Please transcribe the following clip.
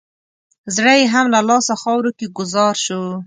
زړه یې هم له لاسه خاورو کې ګوزار شو.